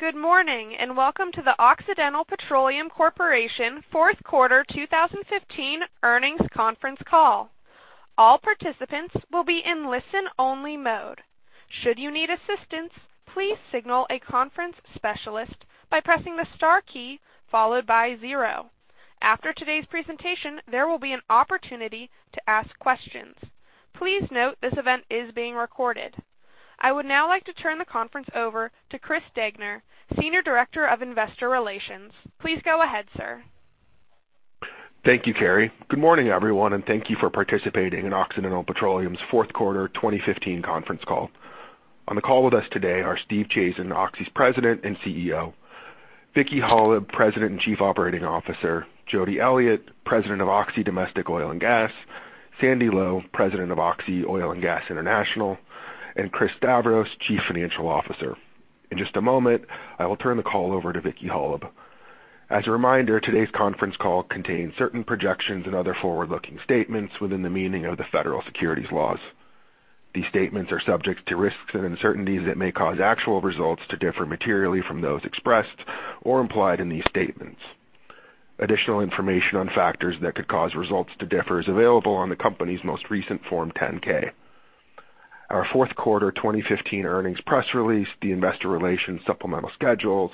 Good morning, and welcome to the Occidental Petroleum Corporation fourth quarter 2015 earnings conference call. All participants will be in listen-only mode. Should you need assistance, please signal a conference specialist by pressing the star key followed by zero. After today's presentation, there will be an opportunity to ask questions. Please note this event is being recorded. I would now like to turn the conference over to Chris Degner, Senior Director of Investor Relations. Please go ahead, sir. Thank you, Carrie. Good morning, everyone, and thank you for participating in Occidental Petroleum's fourth quarter 2015 conference call. On the call with us today are Steve Chazen, Oxy's President and CEO, Vicki Hollub, President and Chief Operating Officer, Jody Elliott, President of Oxy Domestic Oil and Gas, Sandy Lowe, President of Oxy Oil and Gas International, and Chris Stavros, Chief Financial Officer. In just a moment, I will turn the call over to Vicki Hollub. As a reminder, today's conference call contains certain projections and other forward-looking statements within the meaning of the federal securities laws. These statements are subject to risks and uncertainties that may cause actual results to differ materially from those expressed or implied in these statements. Additional information on factors that could cause results to differ is available on the company's most recent Form 10-K. Our fourth quarter 2015 earnings press release, the investor relations supplemental schedules,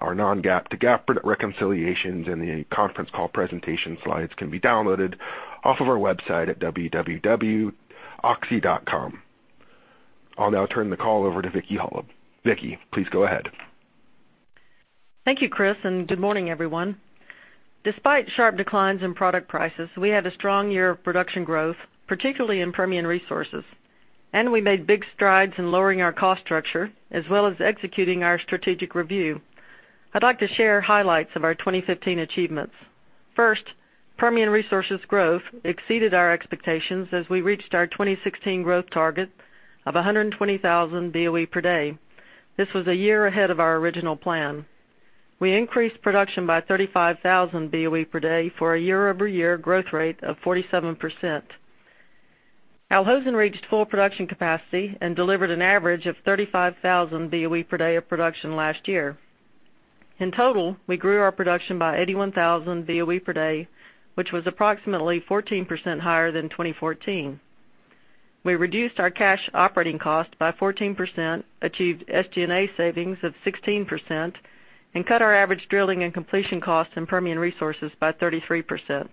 our non-GAAP to GAAP reconciliations, and the conference call presentation slides can be downloaded off of our website at www.oxy.com. I'll now turn the call over to Vicki Hollub. Vicki, please go ahead. Thank you, Chris, and good morning, everyone. Despite sharp declines in product prices, we had a strong year of production growth, particularly in Permian Resources. We made big strides in lowering our cost structure as well as executing our strategic review. I'd like to share highlights of our 2015 achievements. First, Permian Resources growth exceeded our expectations as we reached our 2016 growth target of 120,000 BOE per day. This was a year ahead of our original plan. We increased production by 35,000 BOE per day for a year-over-year growth rate of 47%. Al Hosn reached full production capacity and delivered an average of 35,000 BOE per day of production last year. In total, we grew our production by 81,000 BOE per day, which was approximately 14% higher than 2014. We reduced our cash operating cost by 14%, achieved SG&A savings of 16%, and cut our average drilling and completion costs in Permian Resources by 33%.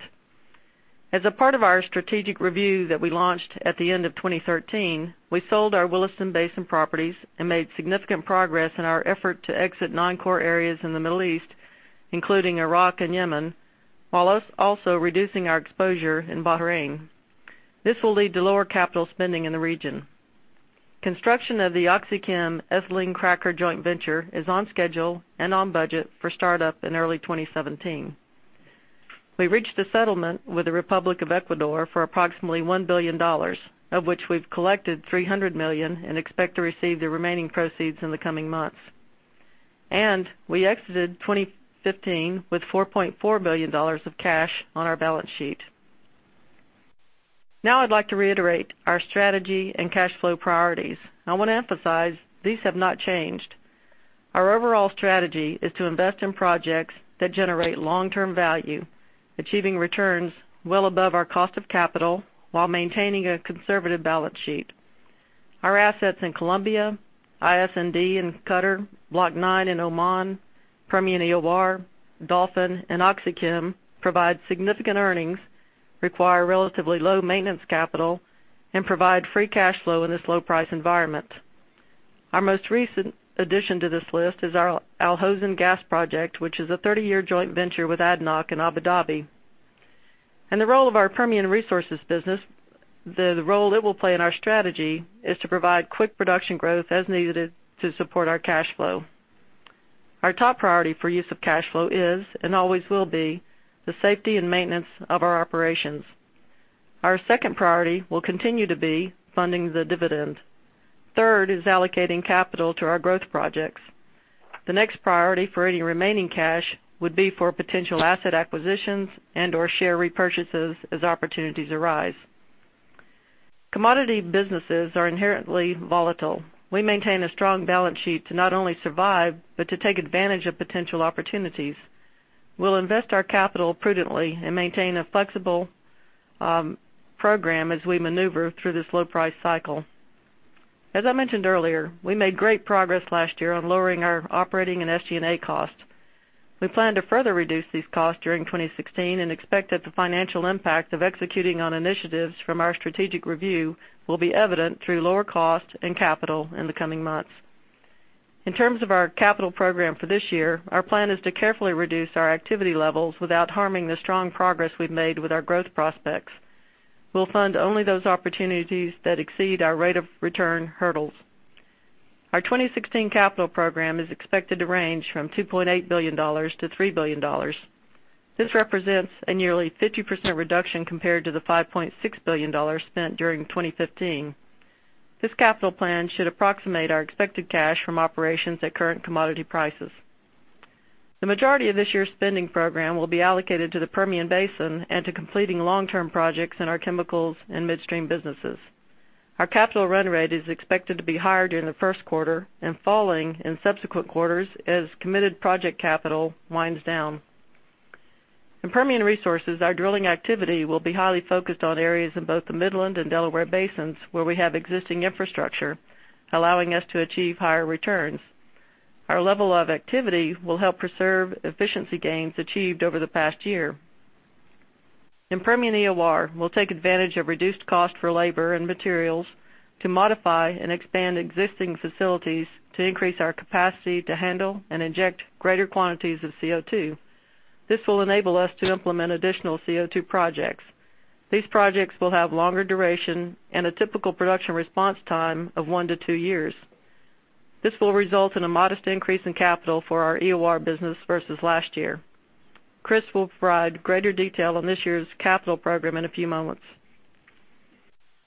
As a part of our strategic review that we launched at the end of 2013, we sold our Williston Basin properties and made significant progress in our effort to exit non-core areas in the Middle East, including Iraq and Yemen, while also reducing our exposure in Bahrain. This will lead to lower capital spending in the region. Construction of the OxyChem Ethylene Cracker joint venture is on schedule and on budget for startup in early 2017. We reached a settlement with the Republic of Ecuador for approximately $1 billion, of which we've collected $300 million and expect to receive the remaining proceeds in the coming months. We exited 2015 with $4.4 billion of cash on our balance sheet. Now I'd like to reiterate our strategy and cash flow priorities. I want to emphasize these have not changed. Our overall strategy is to invest in projects that generate long-term value, achieving returns well above our cost of capital while maintaining a conservative balance sheet. Our assets in Colombia, ISND in Qatar, Block 9 in Oman, Permian EOR, Dolphin, and OxyChem provide significant earnings, require relatively low maintenance capital, and provide free cash flow in this low price environment. Our most recent addition to this list is our Al Hosn gas project, which is a 30-year joint venture with ADNOC in Abu Dhabi. The role of our Permian Resources business, the role it will play in our strategy, is to provide quick production growth as needed to support our cash flow. Our top priority for use of cash flow is, and always will be, the safety and maintenance of our operations. Our second priority will continue to be funding the dividend. Third is allocating capital to our growth projects. The next priority for any remaining cash would be for potential asset acquisitions and/or share repurchases as opportunities arise. Commodity businesses are inherently volatile. We maintain a strong balance sheet to not only survive but to take advantage of potential opportunities. We'll invest our capital prudently and maintain a flexible program as we maneuver through this low price cycle. As I mentioned earlier, we made great progress last year on lowering our operating and SG&A costs. We plan to further reduce these costs during 2016 and expect that the financial impact of executing on initiatives from our strategic review will be evident through lower costs and capital in the coming months. In terms of our capital program for this year, our plan is to carefully reduce our activity levels without harming the strong progress we've made with our growth prospects. We'll fund only those opportunities that exceed our rate of return hurdles. Our 2016 capital program is expected to range from $2.8 billion to $3 billion. This represents a nearly 50% reduction compared to the $5.6 billion spent during 2015. This capital plan should approximate our expected cash from operations at current commodity prices. The majority of this year's spending program will be allocated to the Permian Basin and to completing long-term projects in our chemicals and midstream businesses. Our capital run rate is expected to be higher during the first quarter and falling in subsequent quarters as committed project capital winds down. In Permian Resources, our drilling activity will be highly focused on areas in both the Midland and Delaware Basins, where we have existing infrastructure, allowing us to achieve higher returns. Our level of activity will help preserve efficiency gains achieved over the past year. In Permian EOR, we'll take advantage of reduced cost for labor and materials to modify and expand existing facilities to increase our capacity to handle and inject greater quantities of CO2. This will enable us to implement additional CO2 projects. These projects will have longer duration and a typical production response time of one to two years. This will result in a modest increase in capital for our EOR business versus last year. Chris will provide greater detail on this year's capital program in a few moments.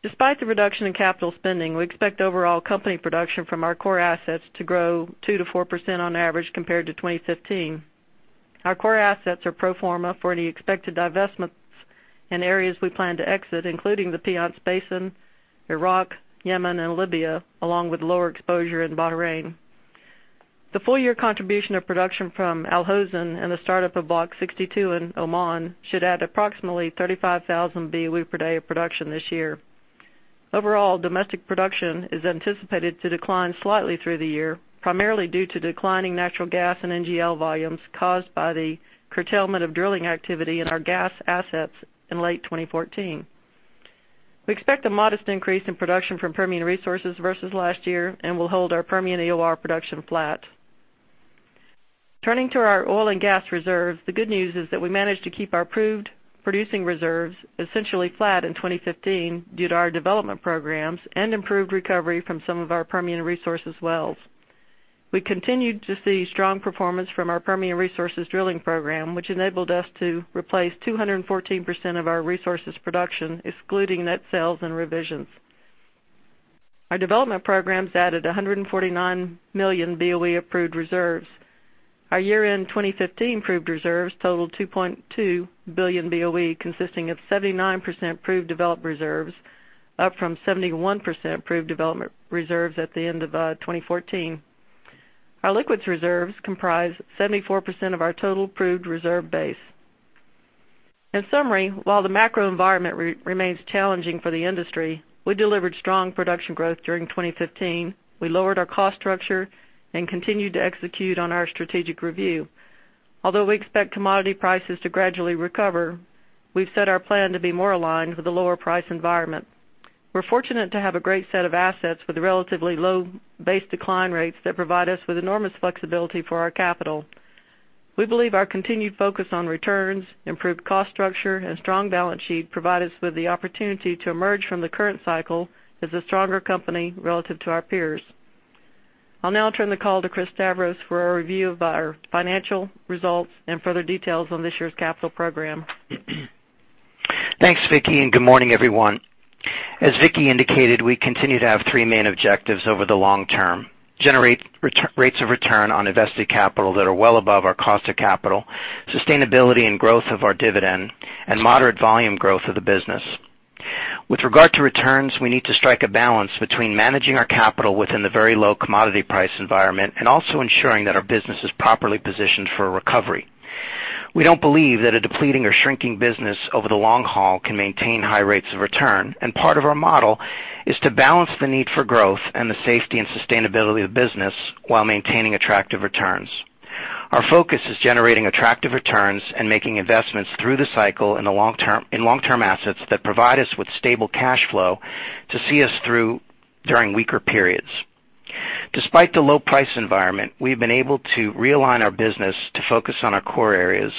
Despite the reduction in capital spending, we expect overall company production from our core assets to grow 2%-4% on average compared to 2015. Our core assets are pro forma for any expected divestments in areas we plan to exit, including the Piceance Basin, Iraq, Yemen, and Libya, along with lower exposure in Bahrain. The full-year contribution of production from Al Hosn and the startup of Block 62 in Oman should add approximately 35,000 BOE per day of production this year. Overall, domestic production is anticipated to decline slightly through the year, primarily due to declining natural gas and NGL volumes caused by the curtailment of drilling activity in our gas assets in late 2014. We expect a modest increase in production from Permian Resources versus last year and will hold our Permian EOR production flat. Turning to our oil and gas reserves, the good news is that we managed to keep our proved producing reserves essentially flat in 2015 due to our development programs and improved recovery from some of our Permian Resources wells. We continued to see strong performance from our Permian Resources drilling program, which enabled us to replace 214% of our resources production, excluding net sales and revisions. Our development programs added 149 million BOE of proved reserves. Our year-end 2015 proved reserves totaled 2.2 billion BOE, consisting of 79% proved developed reserves, up from 71% proved development reserves at the end of 2014. Our liquids reserves comprise 74% of our total proved reserve base. In summary, while the macro environment remains challenging for the industry, we delivered strong production growth during 2015. We lowered our cost structure and continued to execute on our strategic review. Although we expect commodity prices to gradually recover, we've set our plan to be more aligned with the lower price environment. We're fortunate to have a great set of assets with relatively low base decline rates that provide us with enormous flexibility for our capital. We believe our continued focus on returns, improved cost structure, and strong balance sheet provide us with the opportunity to emerge from the current cycle as a stronger company relative to our peers. I'll now turn the call to Chris Stavros for a review of our financial results and further details on this year's capital program. Thanks, Vicki, good morning, everyone. As Vicki indicated, we continue to have three main objectives over the long term. Generate rates of return on invested capital that are well above our cost of capital, sustainability and growth of our dividend, and moderate volume growth of the business. With regard to returns, we need to strike a balance between managing our capital within the very low commodity price environment and also ensuring that our business is properly positioned for a recovery. We don't believe that a depleting or shrinking business over the long haul can maintain high rates of return, and part of our model is to balance the need for growth and the safety and sustainability of the business while maintaining attractive returns. Our focus is generating attractive returns and making investments through the cycle in long-term assets that provide us with stable cash flow to see us through during weaker periods. Despite the low price environment, we've been able to realign our business to focus on our core areas,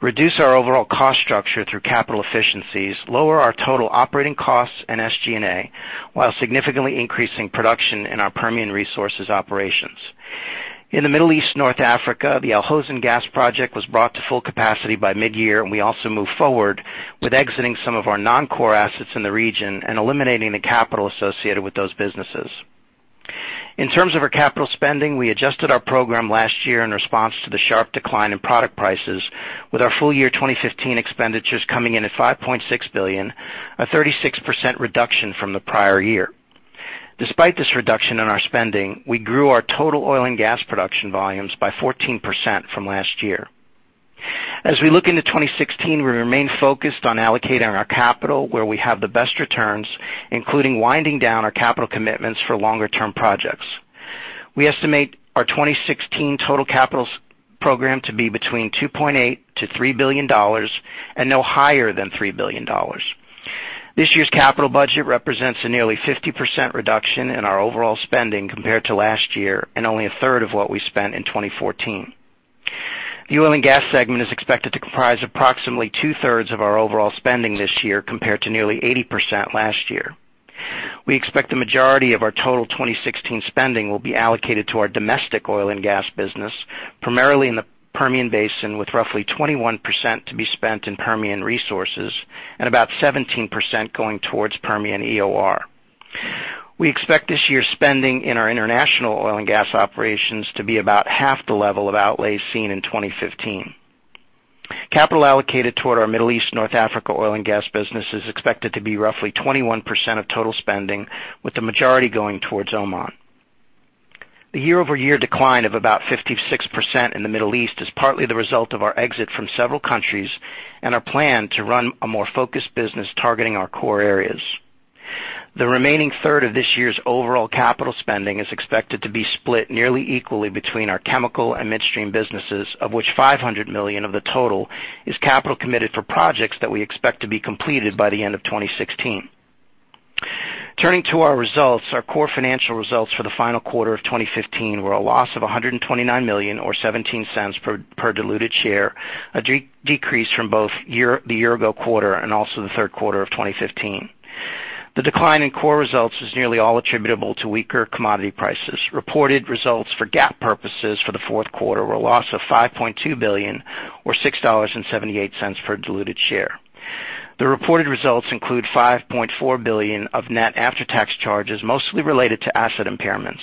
reduce our overall cost structure through capital efficiencies, lower our total operating costs and SG&A, while significantly increasing production in our Permian Resources operations. In the Middle East, North Africa, the Al Hosn Gas project was brought to full capacity by mid-year. We also moved forward with exiting some of our non-core assets in the region and eliminating the capital associated with those businesses. In terms of our capital spending, we adjusted our program last year in response to the sharp decline in product prices with our full-year 2015 expenditures coming in at $5.6 billion, a 36% reduction from the prior year. Despite this reduction in our spending, we grew our total oil and gas production volumes by 14% from last year. As we look into 2016, we remain focused on allocating our capital where we have the best returns, including winding down our capital commitments for longer-term projects. We estimate our 2016 total capitals program to be between $2.8 billion-$3 billion, no higher than $3 billion. This year's capital budget represents a nearly 50% reduction in our overall spending compared to last year and only a third of what we spent in 2014. The oil and gas segment is expected to comprise approximately two-thirds of our overall spending this year compared to nearly 80% last year. We expect the majority of our total 2016 spending will be allocated to our domestic oil and gas business, primarily in the Permian Basin, with roughly 21% to be spent in Permian Resources and about 17% going towards Permian EOR. We expect this year's spending in our international oil and gas operations to be about half the level of outlays seen in 2015. Capital allocated toward our Middle East North Africa oil and gas business is expected to be roughly 21% of total spending, with the majority going towards Oman. The year-over-year decline of about 56% in the Middle East is partly the result of our exit from several countries and our plan to run a more focused business targeting our core areas. The remaining third of this year's overall capital spending is expected to be split nearly equally between our chemical and midstream businesses, of which $500 million of the total is capital committed for projects that we expect to be completed by the end of 2016. Turning to our results, our core financial results for the final quarter of 2015 were a loss of $129 million or $0.17 per diluted share, a decrease from both the year ago quarter and also the third quarter of 2015. The decline in core results is nearly all attributable to weaker commodity prices. Reported results for GAAP purposes for the fourth quarter were a loss of $5.2 billion, or $6.78 per diluted share. The reported results include $5.4 billion of net after-tax charges, mostly related to asset impairments.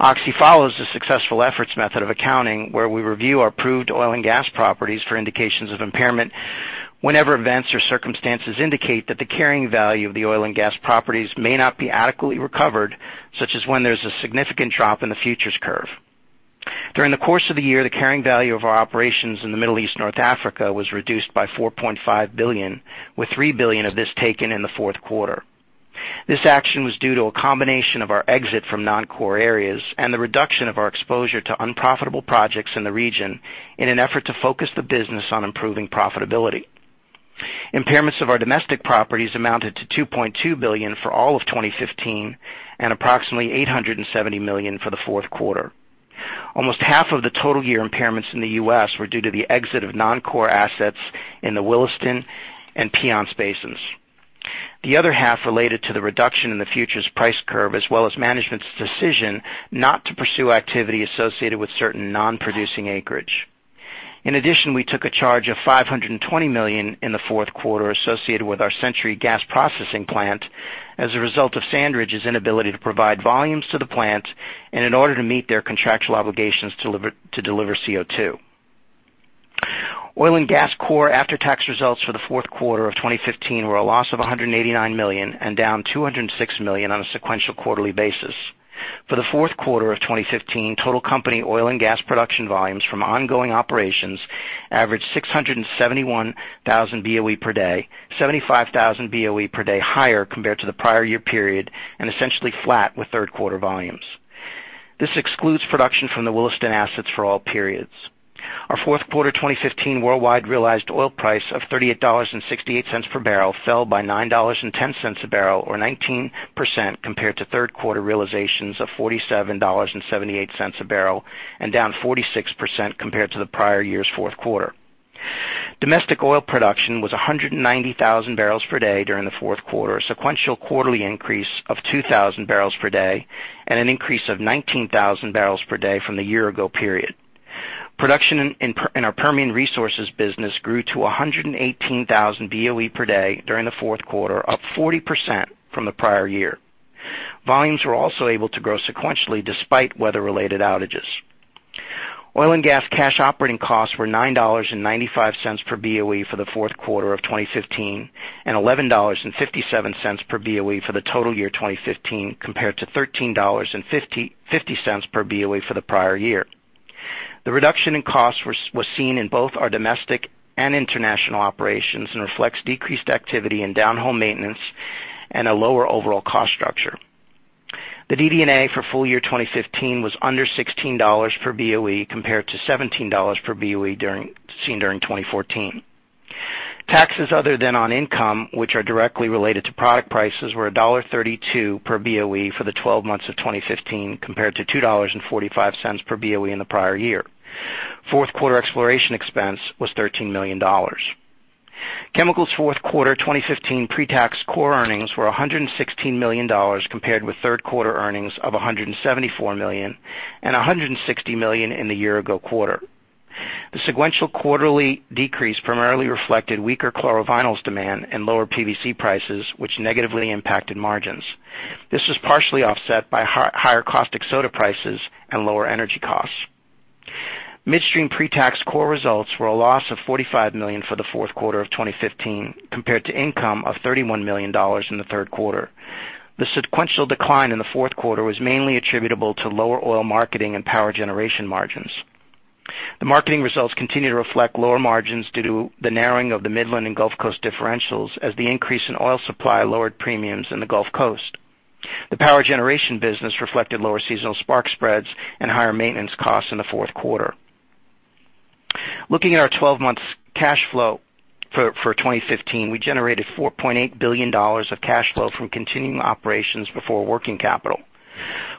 Oxy follows the successful efforts method of accounting where we review our proved oil and gas properties for indications of impairment whenever events or circumstances indicate that the carrying value of the oil and gas properties may not be adequately recovered, such as when there's a significant drop in the futures curve. During the course of the year, the carrying value of our operations in the Middle East North Africa was reduced by $4.5 billion, with $3 billion of this taken in the fourth quarter. This action was due to a combination of our exit from non-core areas and the reduction of our exposure to unprofitable projects in the region in an effort to focus the business on improving profitability. Impairments of our domestic properties amounted to $2.2 billion for all of 2015 and approximately $870 million for the fourth quarter. Almost half of the total year impairments in the U.S. were due to the exit of non-core assets in the Williston and Piceance basins. The other half related to the reduction in the futures price curve, as well as management's decision not to pursue activity associated with certain non-producing acreage. In addition, we took a charge of $520 million in the fourth quarter associated with our Century gas processing plant as a result of SandRidge's inability to provide volumes to the plant and in order to meet their contractual obligations to deliver CO2. Oil and gas core after-tax results for the fourth quarter of 2015 were a loss of $189 million, and down $206 million on a sequential quarterly basis. For the fourth quarter of 2015, total company oil and gas production volumes from ongoing operations averaged 671,000 BOE per day, 75,000 BOE per day higher compared to the prior year period, and essentially flat with third quarter volumes. This excludes production from the Williston assets for all periods. Our fourth quarter 2015 worldwide realized oil price of $38.68 per barrel fell by $9.10 a barrel or 19%, compared to third quarter realizations of $47.78 a barrel and down 46% compared to the prior year's fourth quarter. Domestic oil production was 190,000 barrels per day during the fourth quarter, a sequential quarterly increase of 2,000 barrels per day and an increase of 19,000 barrels per day from the year ago period. Production in our Permian Resources business grew to 118,000 BOE per day during the fourth quarter, up 40% from the prior year. Volumes were also able to grow sequentially despite weather-related outages. Oil and gas cash operating costs were $9.95 per BOE for the fourth quarter of 2015, and $11.57 per BOE for the total year 2015, compared to $13.50 per BOE for the prior year. The reduction in costs was seen in both our domestic and international operations and reflects decreased activity and downhole maintenance and a lower overall cost structure. The DD&A for full year 2015 was under $16 per BOE, compared to $17 per BOE seen during 2014. Taxes other than on income which are directly related to product prices were $1.32 per BOE for the 12 months of 2015, compared to $2.45 per BOE in the prior year. Fourth quarter exploration expense was $13 million. Chemicals fourth quarter 2015 pretax core earnings were $116 million, compared with third quarter earnings of $174 million and $160 million in the year-ago quarter. The sequential quarterly decrease primarily reflected weaker chlorovinyls demand and lower PVC prices, which negatively impacted margins. This was partially offset by higher caustic soda prices and lower energy costs. Midstream pretax core results were a loss of $45 million for the fourth quarter of 2015, compared to income of $31 million in the third quarter. The sequential decline in the fourth quarter was mainly attributable to lower oil marketing and power generation margins. The marketing results continue to reflect lower margins due to the narrowing of the Midland and Gulf Coast differentials as the increase in oil supply lowered premiums in the Gulf Coast. The power generation business reflected lower seasonal spark spreads and higher maintenance costs in the fourth quarter. Looking at our 12 months cash flow for 2015, we generated $4.8 billion of cash flow from continuing operations before working capital.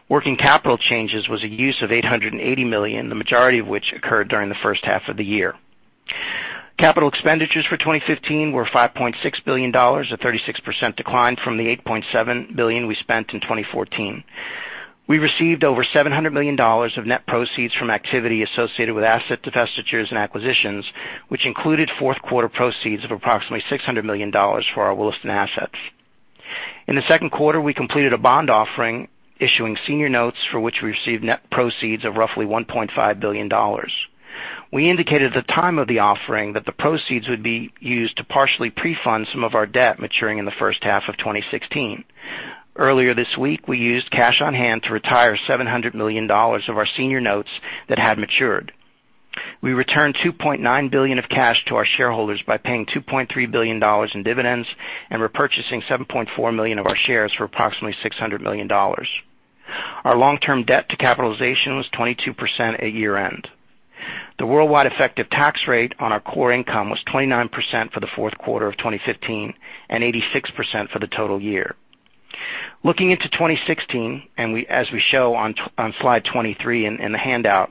Working capital changes was a use of $880 million, the majority of which occurred during the first half of the year. Capital expenditures for 2015 were $5.6 billion, a 36% decline from the $8.7 billion we spent in 2014. We received over $700 million of net proceeds from activity associated with asset divestitures and acquisitions, which included fourth quarter proceeds of approximately $600 million for our Williston assets. In the second quarter, we completed a bond offering, issuing senior notes for which we received net proceeds of roughly $1.5 billion. We indicated at the time of the offering that the proceeds would be used to partially pre-fund some of our debt maturing in the first half of 2016. Earlier this week, we used cash on hand to retire $700 million of our senior notes that had matured. We returned $2.9 billion of cash to our shareholders by paying $2.3 billion in dividends and repurchasing 7.4 million of our shares for approximately $600 million. Our long-term debt to capitalization was 22% at year-end. The worldwide effective tax rate on our core income was 29% for the fourth quarter of 2015 and 86% for the total year. Looking into 2016, and as we show on slide 23 in the handout,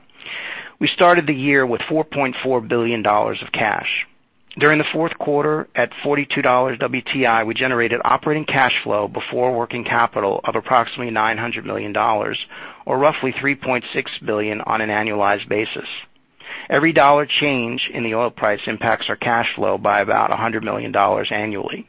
we started the year with $4.4 billion of cash. During the fourth quarter, at $42 WTI, we generated operating cash flow before working capital of approximately $900 million or roughly $3.6 billion on an annualized basis. Every dollar change in the oil price impacts our cash flow by about $100 million annually.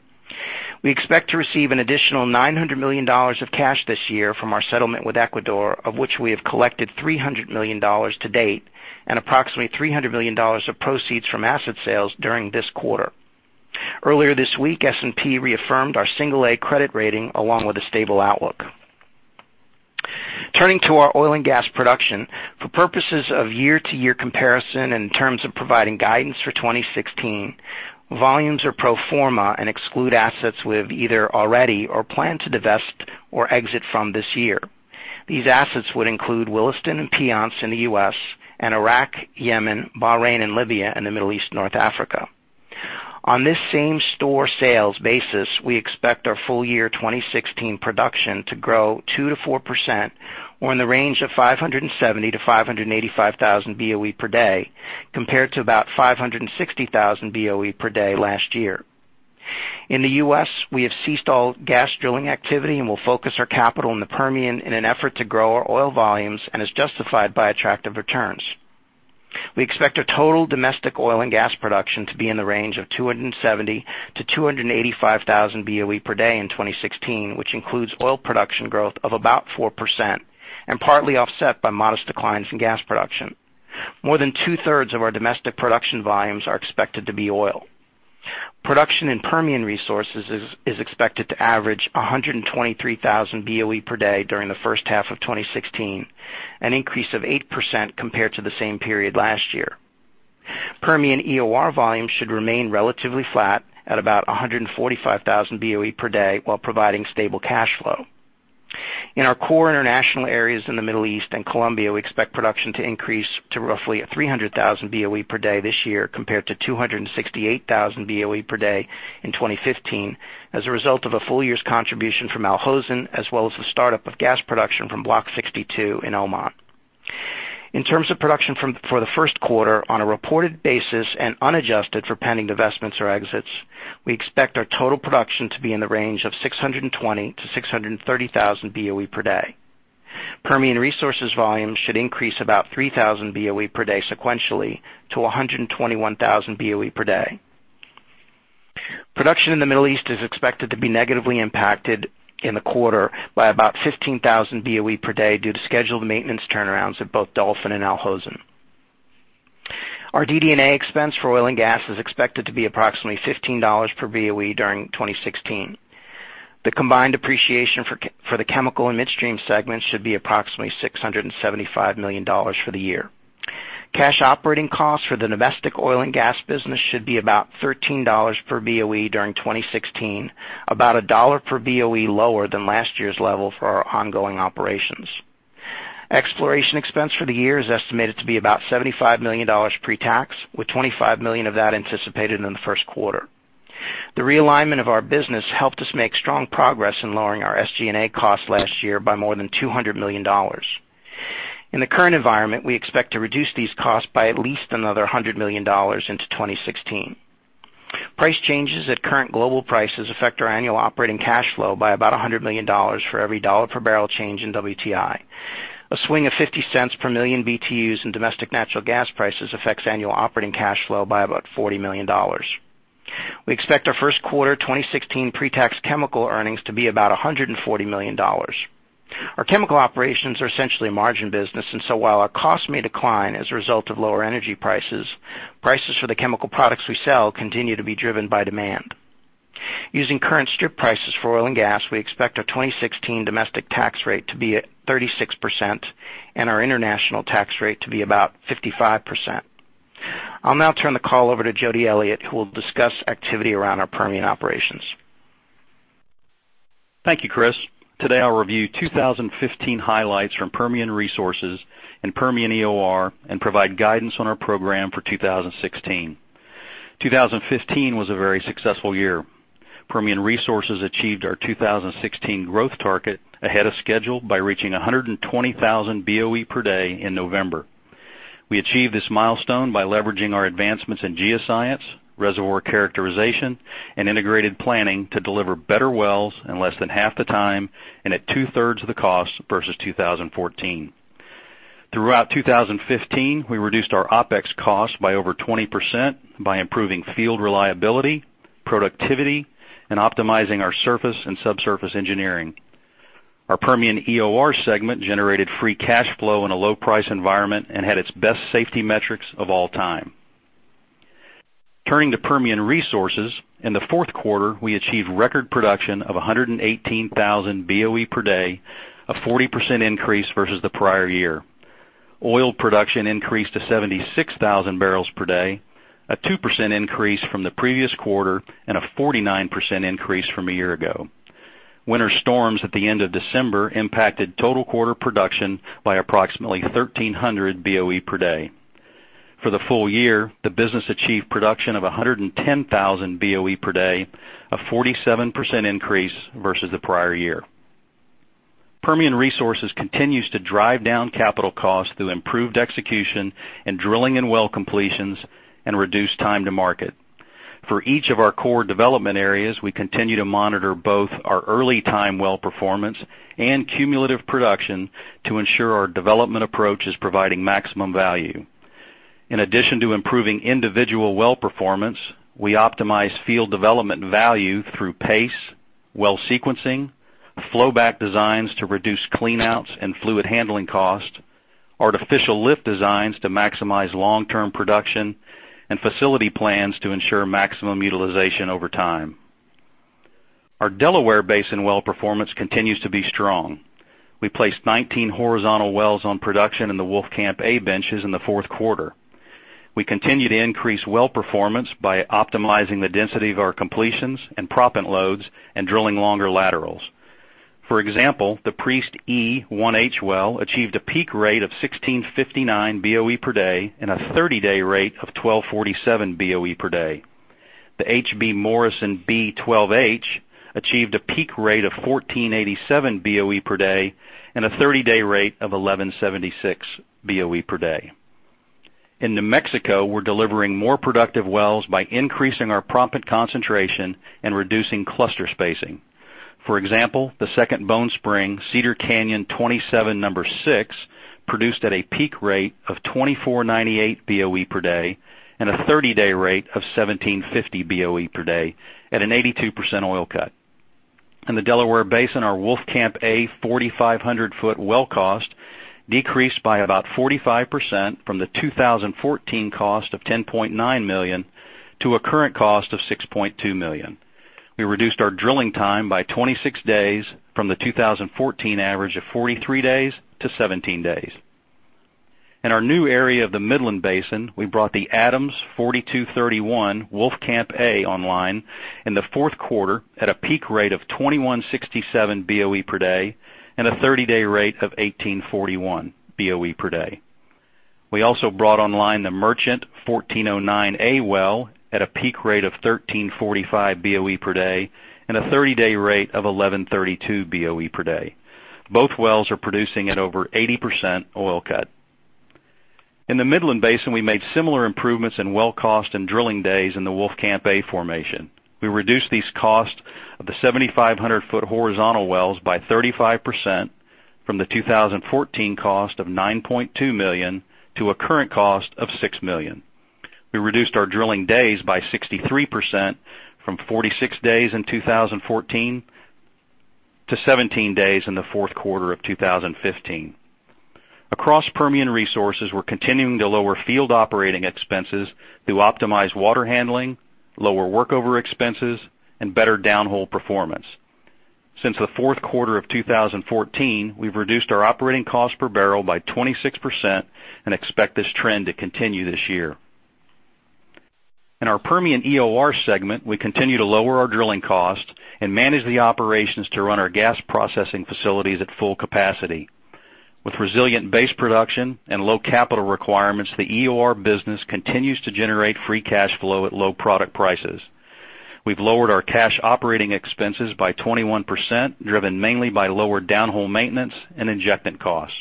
We expect to receive an additional $900 million of cash this year from our settlement with Ecuador, of which we have collected $300 million to date, and approximately $300 million of proceeds from asset sales during this quarter. Earlier this week, S&P reaffirmed our single A credit rating along with a stable outlook. Turning to our oil and gas production, for purposes of year-to-year comparison in terms of providing guidance for 2016, volumes are pro forma and exclude assets we have either already or plan to divest or exit from this year. These assets would include Williston and Piceance in the U.S. and Iraq, Yemen, Bahrain, and Libya in the Middle East/North Africa. On this same-store sales basis, we expect our full year 2016 production to grow 2%-4%, or in the range of 570,000-585,000 BOE per day, compared to about 560,000 BOE per day last year. In the U.S., we have ceased all gas drilling activity and will focus our capital in the Permian in an effort to grow our oil volumes and is justified by attractive returns. We expect our total domestic oil and gas production to be in the range of 270,000-285,000 BOE per day in 2016, which includes oil production growth of about 4% and partly offset by modest declines in gas production. More than two-thirds of our domestic production volumes are expected to be oil. Production in Permian Resources is expected to average 123,000 BOE per day during the first half of 2016, an increase of 8% compared to the same period last year. Permian EOR volume should remain relatively flat at about 145,000 BOE per day while providing stable cash flow. In our core international areas in the Middle East and Colombia, we expect production to increase to roughly 300,000 BOE per day this year compared to 268,000 BOE per day in 2015 as a result of a full year's contribution from Al Hosn as well as the startup of gas production from Block 62 in Oman. In terms of production for the first quarter, on a reported basis and unadjusted for pending divestments or exits, we expect our total production to be in the range of 620,000-630,000 BOE per day. Permian Resources volume should increase about 3,000 BOE per day sequentially to 121,000 BOE per day. Production in the Middle East is expected to be negatively impacted in the quarter by about 15,000 BOE per day due to scheduled maintenance turnarounds at both Dolphin and Al Hosn. Our DD&A expense for oil and gas is expected to be approximately $15 per BOE during 2016. The combined depreciation for the chemical and midstream segments should be approximately $675 million for the year. Cash operating costs for the domestic oil and gas business should be about $13 per BOE during 2016, about a dollar per BOE lower than last year's level for our ongoing operations. Exploration expense for the year is estimated to be about $75 million pre-tax, with $25 million of that anticipated in the first quarter. The realignment of our business helped us make strong progress in lowering our SG&A costs last year by more than $200 million. In the current environment, we expect to reduce these costs by at least another $100 million into 2016. Price changes at current global prices affect our annual operating cash flow by about $100 million for every dollar per barrel change in WTI. A swing of $0.50 per million BTUs in domestic natural gas prices affects annual operating cash flow by about $40 million. We expect our first quarter 2016 pre-tax chemical earnings to be about $140 million. Our chemical operations are essentially a margin business, while our costs may decline as a result of lower energy prices for the chemical products we sell continue to be driven by demand. Using current strip prices for oil and gas, we expect our 2016 domestic tax rate to be at 36% and our international tax rate to be about 55%. I'll now turn the call over to Jody Elliott, who will discuss activity around our Permian operations. Thank you, Chris. Today, I'll review 2015 highlights from Permian Resources and Permian EOR and provide guidance on our program for 2016. 2015 was a very successful year. Permian Resources achieved our 2016 growth target ahead of schedule by reaching 120,000 BOE per day in November. We achieved this milestone by leveraging our advancements in geoscience, reservoir characterization, and integrated planning to deliver better wells in less than half the time and at two-thirds of the cost versus 2014. Throughout 2015, we reduced our OpEx cost by over 20% by improving field reliability, productivity, and optimizing our surface and subsurface engineering. Our Permian EOR segment generated free cash flow in a low-price environment and had its best safety metrics of all time. Turning to Permian Resources, in the fourth quarter, we achieved record production of 118,000 BOE per day, a 40% increase versus the prior year. Oil production increased to 76,000 barrels per day, a 2% increase from the previous quarter and a 49% increase from a year ago. Winter storms at the end of December impacted total quarter production by approximately 1,300 BOE per day. For the full year, the business achieved production of 110,000 BOE per day, a 47% increase versus the prior year. Permian Resources continues to drive down capital costs through improved execution in drilling and well completions and reduced time to market. For each of our core development areas, we continue to monitor both our early time well performance and cumulative production to ensure our development approach is providing maximum value. In addition to improving individual well performance, we optimize field development value through pace, well sequencing, flowback designs to reduce cleanouts and fluid handling costs, artificial lift designs to maximize long-term production, and facility plans to ensure maximum utilization over time. Our Delaware Basin well performance continues to be strong. We placed 19 horizontal wells on production in the Wolfcamp A benches in the fourth quarter. We continue to increase well performance by optimizing the density of our completions and proppant loads and drilling longer laterals. For example, the Priest E 1H well achieved a peak rate of 1,659 BOE per day and a 30-day rate of 1,247 BOE per day. The H.B. Morrison B 12H achieved a peak rate of 1,487 BOE per day and a 30-day rate of 1,176 BOE per day. In New Mexico, we're delivering more productive wells by increasing our proppant concentration and reducing cluster spacing. For example, the second Bone Spring Cedar Canyon 27 #6 produced at a peak rate of 2,498 BOE per day and a 30-day rate of 1,750 BOE per day at an 82% oil cut. In the Delaware Basin, our Wolfcamp A 4,500-foot well cost decreased by about 45% from the 2014 cost of $10.9 million to a current cost of $6.2 million. We reduced our drilling time by 26 days from the 2014 average of 43 days to 17 days. In our new area of the Midland Basin, we brought the Adams 4231 Wolfcamp A online in the fourth quarter at a peak rate of 2,167 BOE per day and a 30-day rate of 1,841 BOE per day. We also brought online the Merchant 1409A well at a peak rate of 1,345 BOE per day and a 30-day rate of 1,132 BOE per day. Both wells are producing at over 80% oil cut. In the Midland Basin, we made similar improvements in well cost and drilling days in the Wolfcamp A formation. We reduced these costs of the 7,500-foot horizontal wells by 35% from the 2014 cost of $9.2 million to a current cost of $6 million. We reduced our drilling days by 63% from 46 days in 2014 to 17 days in the fourth quarter of 2015. Across Permian Resources, we're continuing to lower field operating expenses through optimized water handling, lower workover expenses, and better downhole performance. Since the fourth quarter of 2014, we've reduced our operating cost per barrel by 26% and expect this trend to continue this year. In our Permian EOR segment, we continue to lower our drilling costs and manage the operations to run our gas processing facilities at full capacity. With resilient base production and low capital requirements, the EOR business continues to generate free cash flow at low product prices. We've lowered our cash operating expenses by 21%, driven mainly by lower downhole maintenance and injectant costs.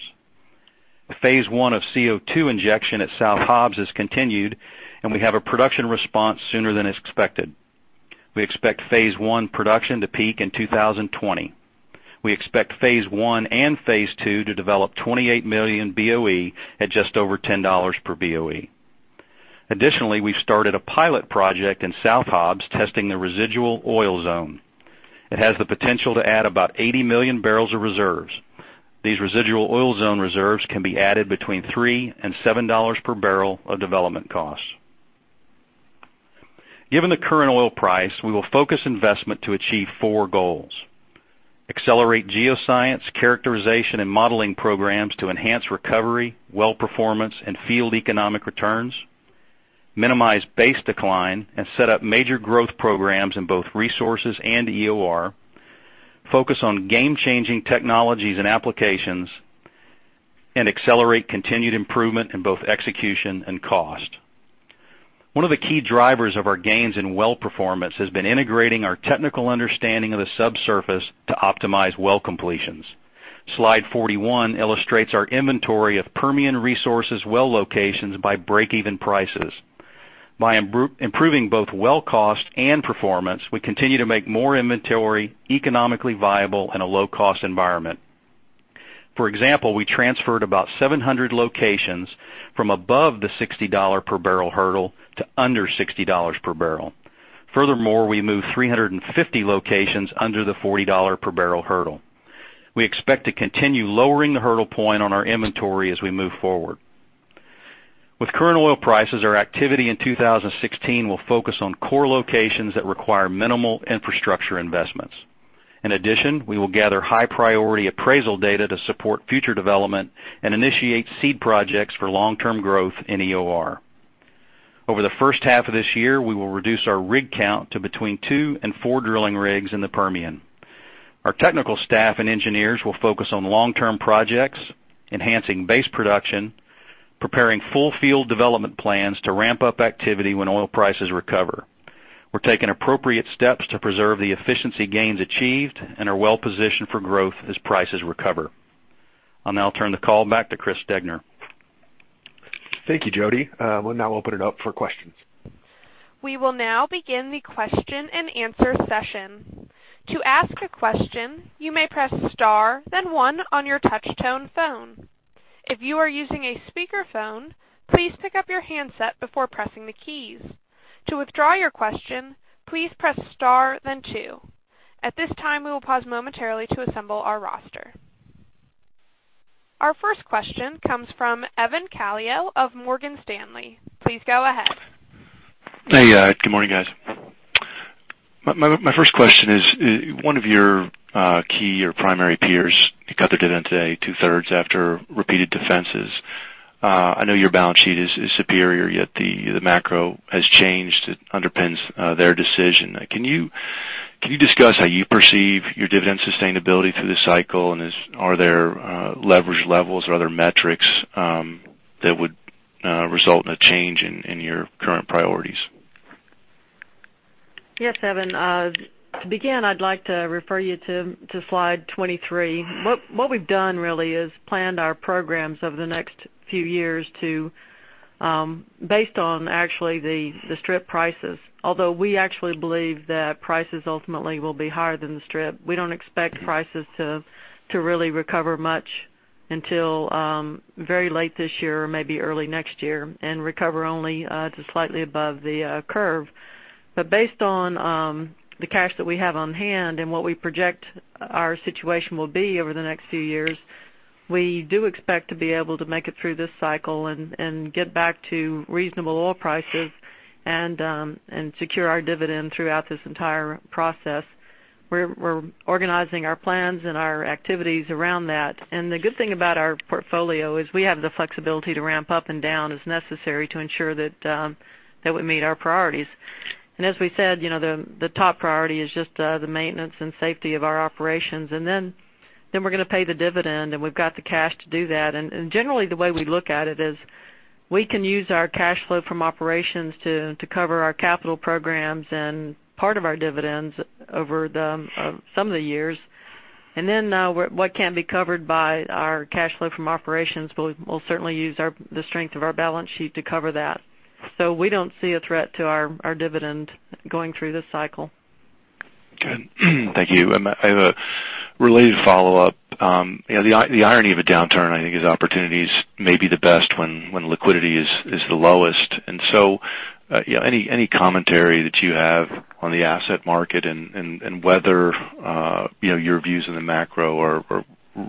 The phase 1 of CO2 injection at South Hobbs has continued, and we have a production response sooner than expected. We expect phase 1 production to peak in 2020. We expect phase 1 and phase 2 to develop 28 million BOE at just over $10 per BOE. Additionally, we've started a pilot project in South Hobbs testing the residual oil zone. It has the potential to add about 80 million barrels of reserves. These residual oil zone reserves can be added between $3 and $7 per barrel of development costs. Given the current oil price, we will focus investment to achieve four goals. Accelerate geoscience, characterization, and modeling programs to enhance recovery, well performance, and field economic returns. Minimize base decline and set up major growth programs in both resources and EOR. Focus on game-changing technologies and applications. Accelerate continued improvement in both execution and cost. One of the key drivers of our gains in well performance has been integrating our technical understanding of the subsurface to optimize well completions. Slide 41 illustrates our inventory of Permian Resources well locations by break-even prices. By improving both well cost and performance, we continue to make more inventory economically viable in a low-cost environment. For example, we transferred about 700 locations from above the $60 per barrel hurdle to under $60 per barrel. We moved 350 locations under the $40 per barrel hurdle. We expect to continue lowering the hurdle point on our inventory as we move forward. With current oil prices, our activity in 2016 will focus on core locations that require minimal infrastructure investments. In addition, we will gather high-priority appraisal data to support future development and initiate seed projects for long-term growth in EOR. Over the first half of this year, we will reduce our rig count to between two and four drilling rigs in the Permian. Our technical staff and engineers will focus on long-term projects, enhancing base production, preparing full field development plans to ramp up activity when oil prices recover. We are taking appropriate steps to preserve the efficiency gains achieved and are well positioned for growth as prices recover. I will now turn the call back to Chris Degner. Thank you, Jody. We will now open it up for questions. We will now begin the question and answer session. To ask a question, you may press star then one on your touch tone phone. If you are using a speakerphone, please pick up your handset before pressing the keys. To withdraw your question, please press star then two. At this time, we will pause momentarily to assemble our roster. Our first question comes from Evan Calio of Morgan Stanley. Please go ahead. Hey, good morning, guys. My first question is, one of your key or primary peers cut their dividend today two-thirds after repeated defenses. I know your balance sheet is superior, yet the macro has changed. It underpins their decision. Can you discuss how you perceive your dividend sustainability through this cycle and are there leverage levels or other metrics that would result in a change in your current priorities? Yes, Evan. To begin, I'd like to refer you to slide 23. What we've done really is planned our programs over the next few years based on actually the strip prices. Although we actually believe that prices ultimately will be higher than the strip, we don't expect prices to really recover much until very late this year or maybe early next year and recover only to slightly above the curve. Based on the cash that we have on hand and what we project our situation will be over the next few years, we do expect to be able to make it through this cycle and get back to reasonable oil prices and secure our dividend throughout this entire process. We're organizing our plans and our activities around that. The good thing about our portfolio is we have the flexibility to ramp up and down as necessary to ensure that we meet our priorities. As we said, the top priority is just the maintenance and safety of our operations. Then we're going to pay the dividend, and we've got the cash to do that. Generally, the way we look at it is we can use our cash flow from operations to cover our capital programs and part of our dividends over some of the years. Then what can't be covered by our cash flow from operations, we'll certainly use the strength of our balance sheet to cover that. We don't see a threat to our dividend going through this cycle. Good. Thank you. I have a related follow-up. The irony of a downturn, I think, is opportunities may be the best when liquidity is the lowest. Any commentary that you have on the asset market and whether your views in the macro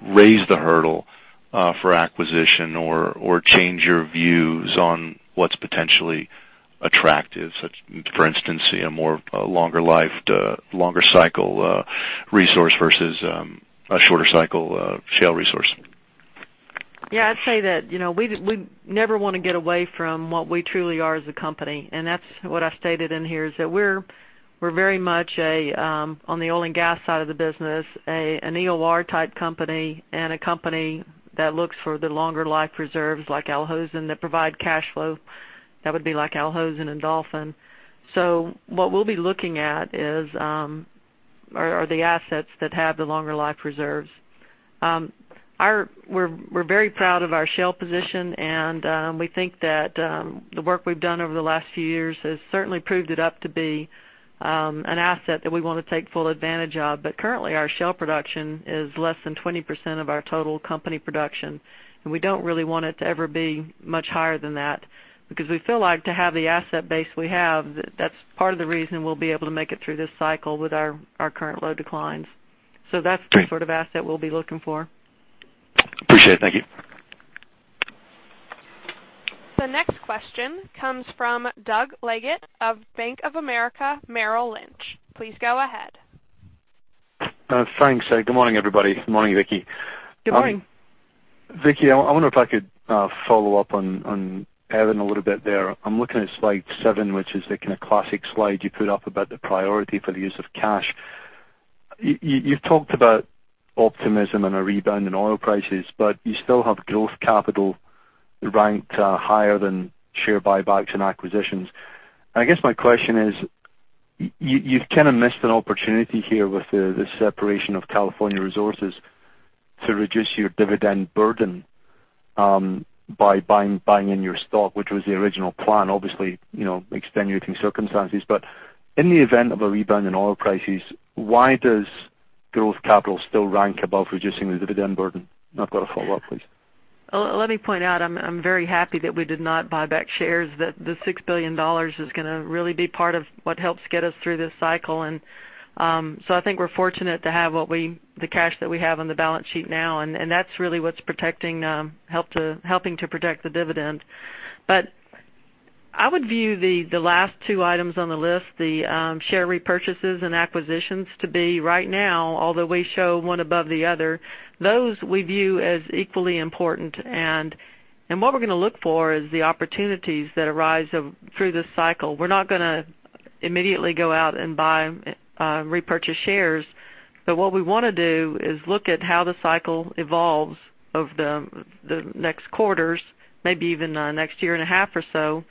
raise the hurdle for acquisition or change your views on what's potentially attractive, such, for instance, a longer cycle resource versus a shorter cycle shale resource? Yeah. I'd say that we never want to get away from what we truly are as a company, and that's what I stated in here is that we're very much on the oil and gas side of the business, an EOR type company and a company that looks for the longer life reserves like Al Hosn that provide cash flow. That would be like Al Hosn and Dolphin. What we'll be looking at are the assets that have the longer life reserves. We're very proud of our shale position, and we think that the work we've done over the last few years has certainly proved it up to be an asset that we want to take full advantage of. Currently, our shale production is less than 20% of our total company production, and we don't really want it to ever be much higher than that, because we feel like to have the asset base we have, that's part of the reason we'll be able to make it through this cycle with our current low declines. That's the sort of asset we'll be looking for. Appreciate it. Thank you. The next question comes from Doug Leggate of Bank of America Merrill Lynch. Please go ahead. Thanks. Good morning, everybody. Good morning, Vicki. Good morning. Vicki, I wonder if I could follow up on Evan a little bit there. I'm looking at slide seven, which is the classic slide you put up about the priority for the use of cash. You've talked about optimism and a rebound in oil prices. You still have growth capital ranked higher than share buybacks and acquisitions. I guess my question is, you've kind of missed an opportunity here with the separation of California Resources to reduce your dividend burden by buying in your stock, which was the original plan. Obviously, extenuating circumstances. In the event of a rebound in oil prices, why does growth capital still rank above reducing the dividend burden? I've got a follow-up, please. Let me point out, I'm very happy that we did not buy back shares. The $6 billion is going to really be part of what helps get us through this cycle. I think we're fortunate to have the cash that we have on the balance sheet now, and that's really what's helping to protect the dividend. I would view the last two items on the list, the share repurchases and acquisitions to be right now, although we show one above the other, those we view as equally important. What we're going to look for is the opportunities that arise through this cycle. We're not going to immediately go out and buy repurchase shares. What we want to do is look at how the cycle evolves over the next quarters, maybe even the next year and a half or so,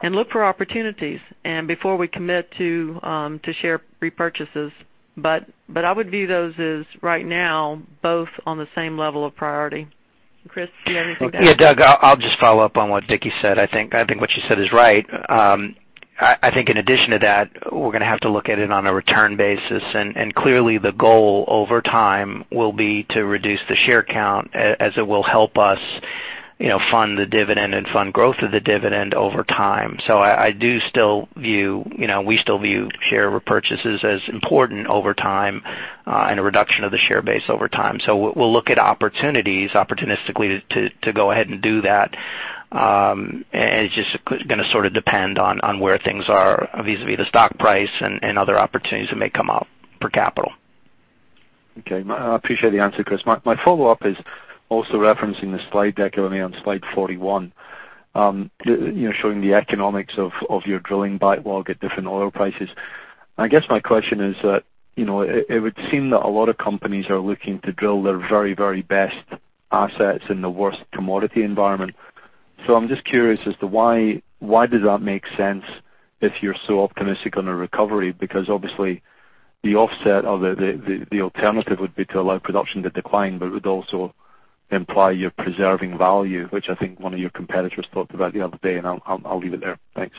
and look for opportunities, and before we commit to share repurchases. I would view those as right now, both on the same level of priority. Chris, do you have anything to add? Yeah, Doug, I'll just follow up on what Vicki said. I think what she said is right. I think in addition to that, we're going to have to look at it on a return basis, and clearly the goal over time will be to reduce the share count as it will help us fund the dividend and fund growth of the dividend over time. We still view share repurchases as important over time, and a reduction of the share base over time. We'll look at opportunities opportunistically to go ahead and do that. It's just going to sort of depend on where things are vis-a-vis the stock price and other opportunities that may come up for capital. Okay. I appreciate the answer, Chris. My follow-up is also referencing the slide deck only on slide 41, showing the economics of your drilling backlog at different oil prices. I guess my question is that it would seem that a lot of companies are looking to drill their very best assets in the worst commodity environment. I'm just curious as to why does that make sense if you're so optimistic on a recovery? Because obviously the offset or the alternative would be to allow production to decline, but it would also imply you're preserving value, which I think one of your competitors talked about the other day, and I'll leave it there. Thanks.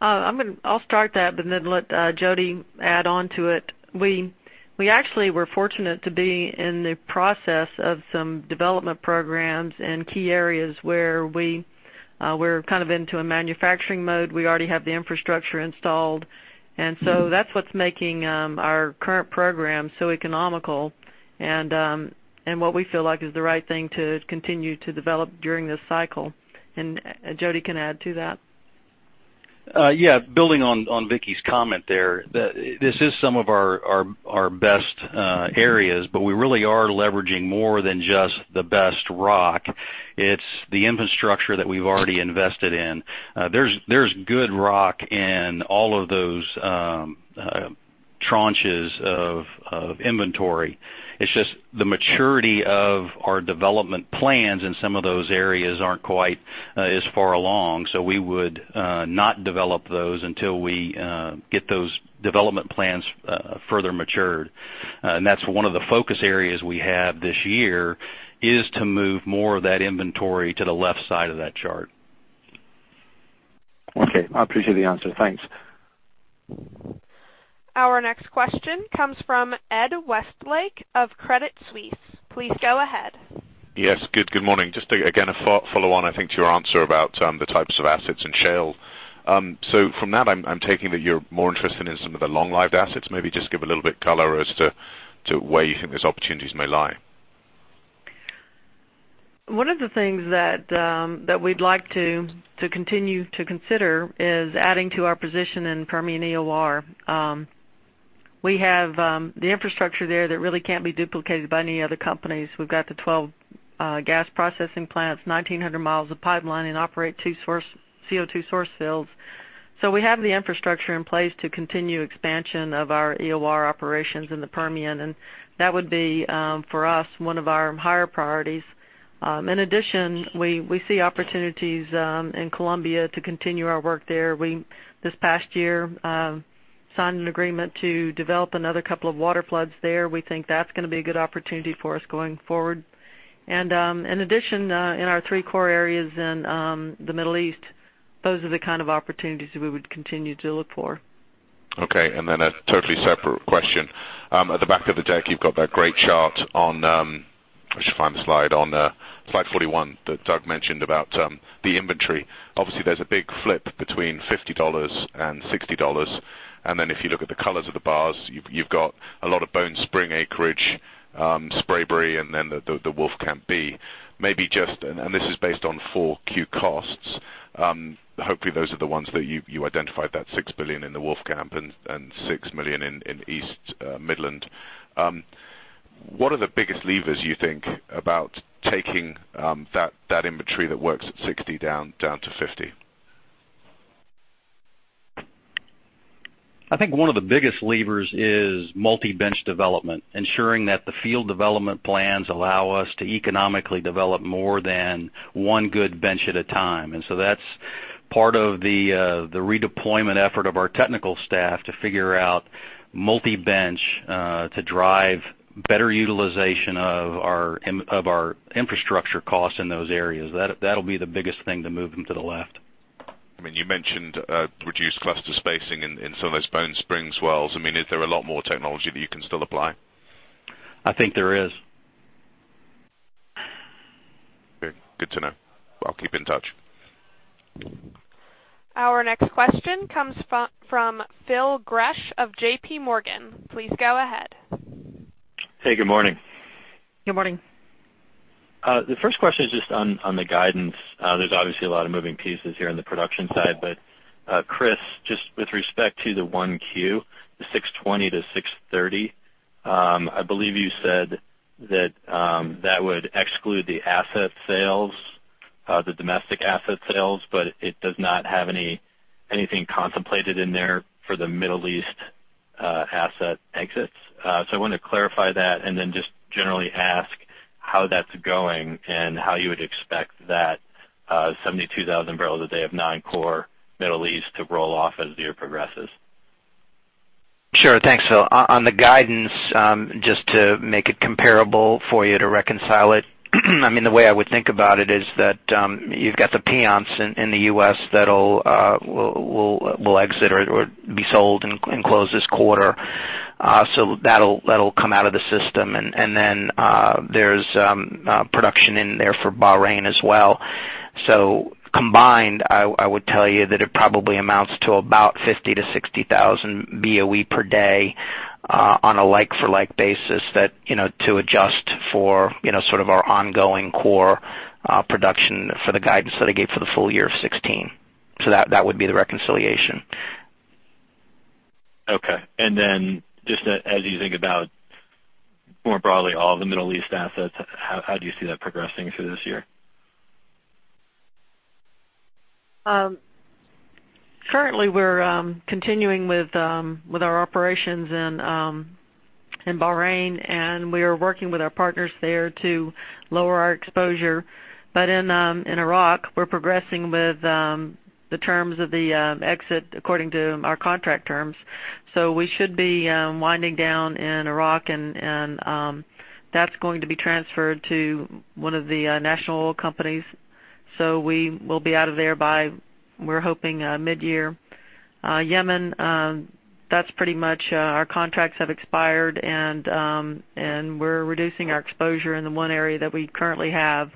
I'll start that, but then let Jody add on to it. We actually were fortunate to be in the process of some development programs in key areas where we're kind of into a manufacturing mode. We already have the infrastructure installed, and so that's what's making our current program so economical and what we feel like is the right thing to continue to develop during this cycle. Jody can add to that. Yeah. Building on Vicki's comment there, this is some of our best areas, we really are leveraging more than just the best rock. It's the infrastructure that we've already invested in. There's good rock in all of those tranches of inventory. It's just the maturity of our development plans in some of those areas aren't quite as far along. We would not develop those until we get those development plans further matured. That's one of the focus areas we have this year, is to move more of that inventory to the left side of that chart. Okay. I appreciate the answer. Thanks. Our next question comes from Ed Westlake of Credit Suisse. Please go ahead. Yes. Good morning. Just again, a follow on, I think, to your answer about the types of assets in shale. From that, I'm taking that you're more interested in some of the long-lived assets. Maybe just give a little bit color as to where you think those opportunities may lie. One of the things that we'd like to continue to consider is adding to our position in Permian EOR. We have the infrastructure there that really can't be duplicated by any other companies. We've got the 12 gas processing plants, 1,900 miles of pipeline, and operate two CO2 source fields. So we have the infrastructure in place to continue expansion of our EOR operations in the Permian, and that would be, for us, one of our higher priorities. In addition, we see opportunities in Colombia to continue our work there. We, this past year, signed an agreement to develop another couple of waterfloods there. We think that's going to be a good opportunity for us going forward. In addition, in our three core areas in the Middle East, those are the kind of opportunities that we would continue to look for. Okay, a totally separate question. At the back of the deck, you've got that great chart on, I should find the slide, on slide 41 that Doug mentioned about the inventory. Obviously, there's a big flip between $50 and $60. If you look at the colors of the bars, you've got a lot of Bone Spring acreage, Spraberry, and the Wolfcamp B. Maybe just, this is based on 4Q costs. Hopefully, those are the ones that you identified, that $6 billion in the Wolfcamp and $6 million in East Midland. What are the biggest levers you think about taking that inventory that works at 60 down to 50? I think one of the biggest levers is multi-bench development, ensuring that the field development plans allow us to economically develop more than one good bench at a time. That's part of the redeployment effort of our technical staff to figure out multi-bench to drive better utilization of our infrastructure costs in those areas. That'll be the biggest thing to move them to the left. You mentioned reduced cluster spacing in some of those Bone Spring wells. Is there a lot more technology that you can still apply? I think there is. Okay, good to know. I'll keep in touch. Our next question comes from Phil Gresh of J.P. Morgan. Please go ahead. Hey, good morning. Good morning. Chris, just with respect to the 1Q, the 620-630, I believe you said that would exclude the asset sales, the domestic asset sales, but it does not have anything contemplated in there for the Middle East asset exits. I wanted to clarify that and then just generally ask how that's going and how you would expect that 72,000 barrels a day of non-core Middle East to roll off as the year progresses. Sure. Thanks, Phil. On the guidance, just to make it comparable for you to reconcile it, the way I would think about it is that you've got the Piceance in the U.S. that will exit or be sold and close this quarter. That'll come out of the system. There's production in there for Bahrain as well. Combined, I would tell you that it probably amounts to about 50,000-60,000 BOE per day on a like-for-like basis to adjust for our ongoing core production for the guidance that I gave for the full year of 2016. That would be the reconciliation. Okay. Just as you think about more broadly all the Middle East assets, how do you see that progressing through this year? Currently, we're continuing with our operations in Bahrain, and we are working with our partners there to lower our exposure. In Iraq, we're progressing with the terms of the exit according to our contract terms. We should be winding down in Iraq, and that's going to be transferred to one of the national oil companies. We will be out of there by, we're hoping, mid-year. Yemen, our contracts have expired, and we're reducing our exposure in the one area that we currently have,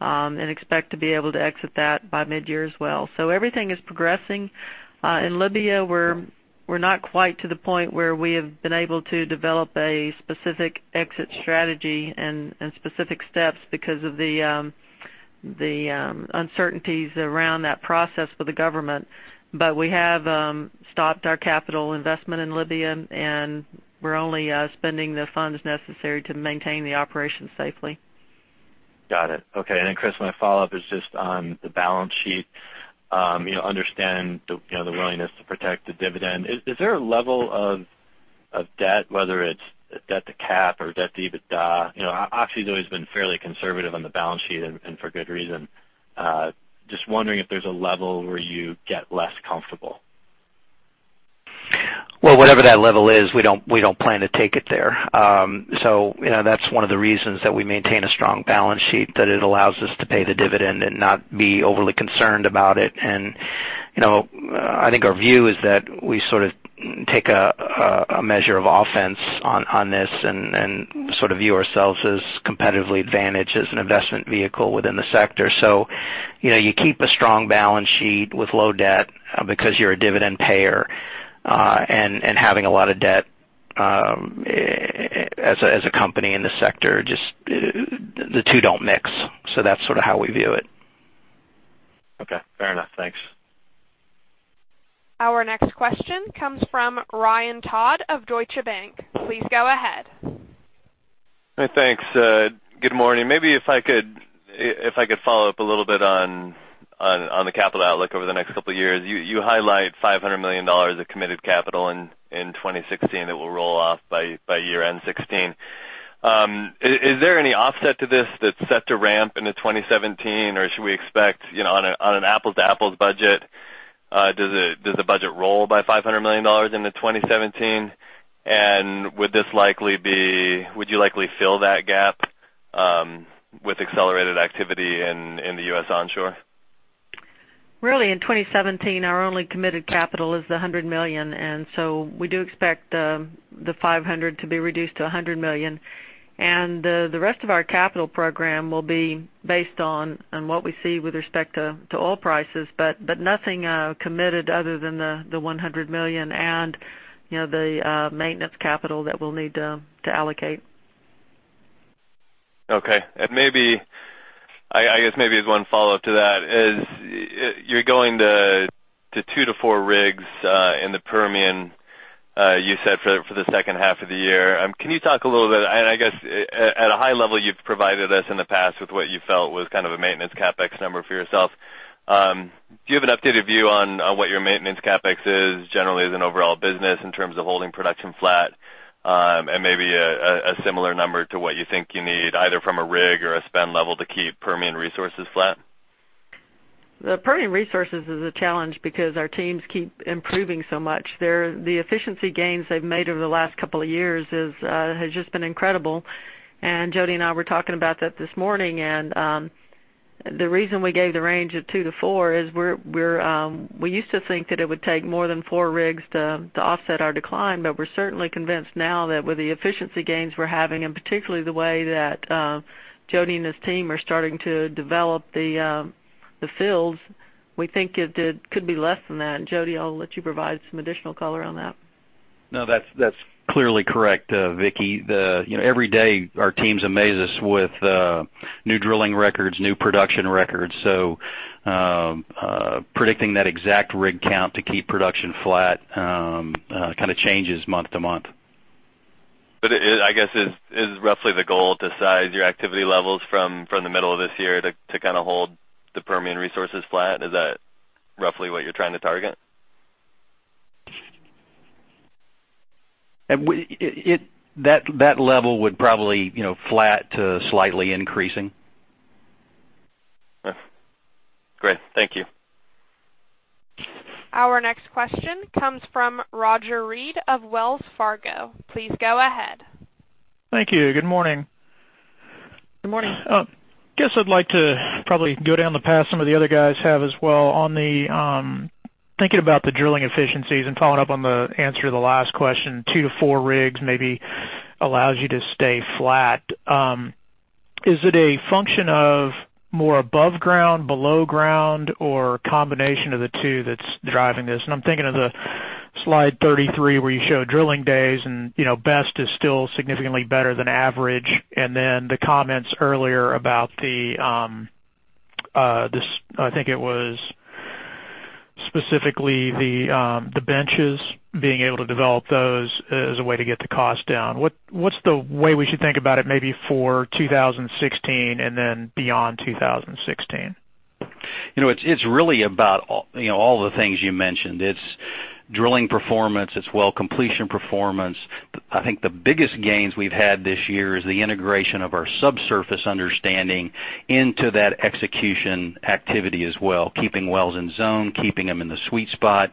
and expect to be able to exit that by mid-year as well. Everything is progressing. In Libya, we're not quite to the point where we have been able to develop a specific exit strategy and specific steps because of the uncertainties around that process with the government. We have stopped our capital investment in Libya, and we're only spending the funds necessary to maintain the operations safely. Got it. Okay. Chris, my follow-up is just on the balance sheet. Understand the willingness to protect the dividend. Is there a level of debt, whether it's debt to cap or debt to EBITDA? Oxy's always been fairly conservative on the balance sheet, and for good reason. Just wondering if there's a level where you get less comfortable. Well, whatever that level is, we don't plan to take it there. That's one of the reasons that we maintain a strong balance sheet, that it allows us to pay the dividend and not be overly concerned about it. I think our view is that we take a measure of offense on this and view ourselves as competitively advantaged as an investment vehicle within the sector. You keep a strong balance sheet with low debt because you're a dividend payer. Having a lot of debt as a company in the sector, the two don't mix. That's how we view it. Okay, fair enough. Thanks. Our next question comes from Ryan Todd of Deutsche Bank. Please go ahead. Thanks. Good morning. Maybe if I could follow up a little bit on the capital outlook over the next couple of years. You highlight $500 million of committed capital in 2016 that will roll off by year-end 2016. Is there any offset to this that's set to ramp into 2017, or should we expect, on an apples-to-apples budget, does the budget roll by $500 million into 2017? Would you likely fill that gap with accelerated activity in the U.S. onshore? Really in 2017, our only committed capital is the $100 million, and so we do expect the $500 to be reduced to $100 million. The rest of our capital program will be based on what we see with respect to oil prices, but nothing committed other than the $100 million and the maintenance capital that we'll need to allocate. Okay. I guess maybe as one follow-up to that is, you're going to two to four rigs in the Permian you said for the second half of the year. Can you talk a little bit, and I guess at a high level, you've provided us in the past with what you felt was a maintenance CapEx number for yourself. Do you have an updated view on what your maintenance CapEx is generally as an overall business in terms of holding production flat and maybe a similar number to what you think you need either from a rig or a spend level to keep Permian Resources flat? The Permian Resources is a challenge because our teams keep improving so much. The efficiency gains they've made over the last couple of years has just been incredible. Jody and I were talking about that this morning, and the reason we gave the range of two to four is we used to think that it would take more than four rigs to offset our decline, but we're certainly convinced now that with the efficiency gains we're having, and particularly the way that Jody and his team are starting to develop the fields, we think it could be less than that. Jody, I'll let you provide some additional color on that. No, that's clearly correct, Vicki. Every day, our teams amaze us with new drilling records, new production records. Predicting that exact rig count to keep production flat changes month to month. I guess is roughly the goal to size your activity levels from the middle of this year to hold the Permian Resources flat? Is that roughly what you're trying to target? That level would probably flat to slightly increasing. Great. Thank you. Our next question comes from Roger Read of Wells Fargo. Please go ahead. Thank you. Good morning. Good morning. Guess I'd like to probably go down the path some of the other guys have as well. Thinking about the drilling efficiencies and following up on the answer to the last question, two to four rigs maybe allows you to stay flat. Is it a function of more above ground, below ground, or a combination of the two that's driving this? I'm thinking of the slide 33, where you show drilling days and best is still significantly better than average. The comments earlier about the, I think it was specifically the benches, being able to develop those as a way to get the cost down. What's the way we should think about it maybe for 2016 and then beyond 2016? It's really about all the things you mentioned. It's drilling performance. It's well completion performance. I think the biggest gains we've had this year is the integration of our subsurface understanding into that execution activity as well, keeping wells in zone, keeping them in the sweet spot,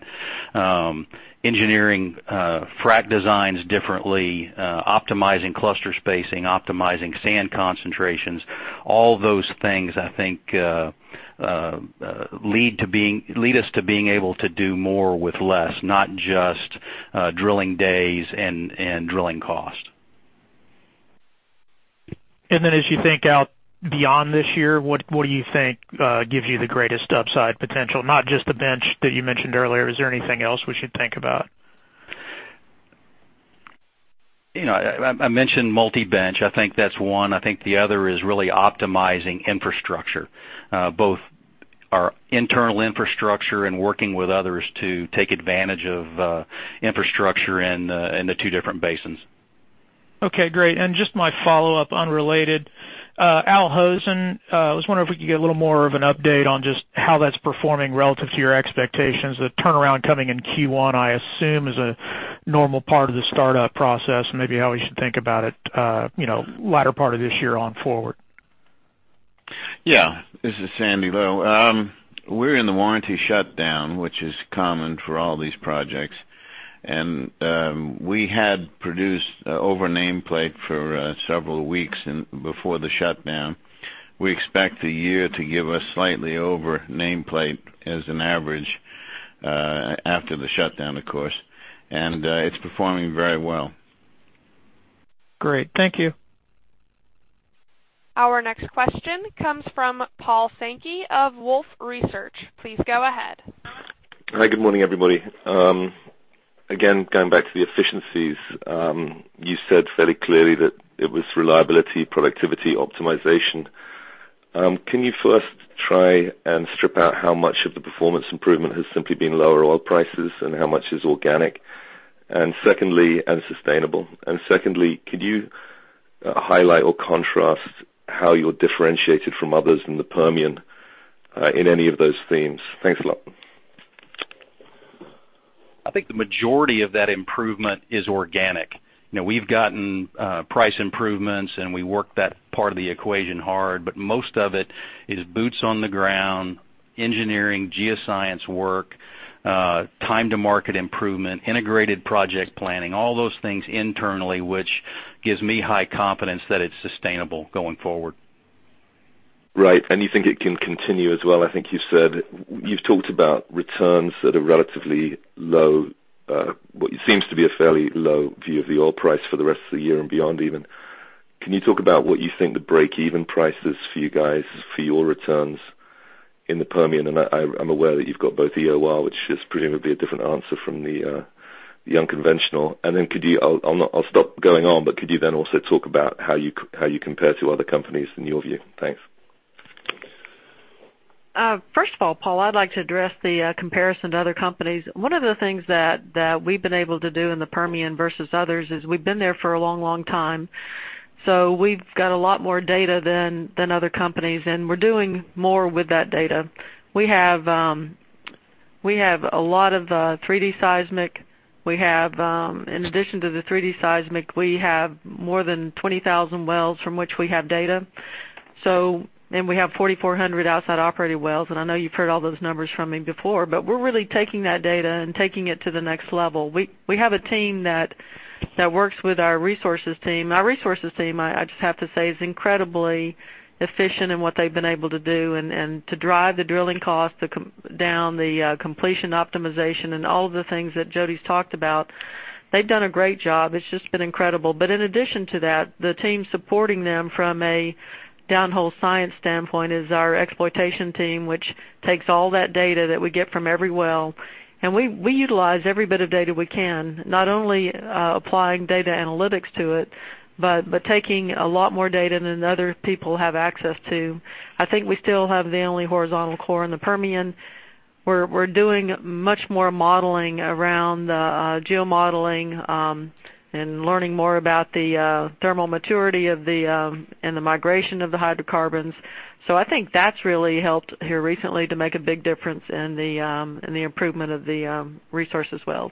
engineering frack designs differently, optimizing cluster spacing, optimizing sand concentrations. All those things, I think, lead us to being able to do more with less, not just drilling days and drilling cost. As you think out beyond this year, what do you think gives you the greatest upside potential? Not just the bench that you mentioned earlier. Is there anything else we should think about? I mentioned multi-bench. I think that's one. I think the other is really optimizing infrastructure, both our internal infrastructure and working with others to take advantage of infrastructure in the two different basins. Okay, great. Just my follow-up, unrelated. Al Hosn, I was wondering if we could get a little more of an update on just how that's performing relative to your expectations. The turnaround coming in Q1, I assume, is a normal part of the startup process, and maybe how we should think about it latter part of this year on forward. Yeah. This is Sandy Lowe. We're in the warranty shutdown, which is common for all these projects. We had produced over nameplate for several weeks before the shutdown. We expect the year to give us slightly over nameplate as an average after the shutdown, of course. It's performing very well. Great. Thank you. Our next question comes from Paul Sankey of Wolfe Research. Please go ahead. Hi. Good morning, everybody. Going back to the efficiencies. You said fairly clearly that it was reliability, productivity, optimization. Can you first try and strip out how much of the performance improvement has simply been lower oil prices and how much is organic and sustainable? Secondly, could you highlight or contrast how you're differentiated from others in the Permian in any of those themes? Thanks a lot. I think the majority of that improvement is organic. We've gotten price improvements. We worked that part of the equation hard, but most of it is boots on the ground, engineering, geoscience work, time to market improvement, integrated project planning, all those things internally, which gives me high confidence that it's sustainable going forward. Right. You think it can continue as well? I think you've talked about returns that are relatively low, what seems to be a fairly low view of the oil price for the rest of the year and beyond even. Can you talk about what you think the break-even price is for you guys for your returns in the Permian? I'm aware that you've got both the EOR, which is presumably a different answer from the unconventional. I'll stop going on, but could you then also talk about how you compare to other companies in your view? Thanks. First of all, Paul, I'd like to address the comparison to other companies. One of the things that we've been able to do in the Permian versus others is we've been there for a long time, so we've got a lot more data than other companies, and we're doing more with that data. We have a lot of 3D seismic. In addition to the 3D seismic, we have more than 20,000 wells from which we have data. We have 4,400 outside operated wells, and I know you've heard all those numbers from me before, but we're really taking that data and taking it to the next level. We have a team that works with our resources team. Our resources team, I just have to say, is incredibly efficient in what they've been able to do, and to drive the drilling cost down, the completion optimization, and all of the things that Jody's talked about. They've done a great job. It's just been incredible. In addition to that, the team supporting them from a downhole science standpoint is our exploitation team, which takes all that data that we get from every well, and we utilize every bit of data we can, not only applying data analytics to it, but taking a lot more data than other people have access to. I think we still have the only horizontal core in the Permian. We're doing much more modeling around the geomodeling, and learning more about the thermal maturity and the migration of the hydrocarbons. I think that's really helped here recently to make a big difference in the improvement of the resources wells.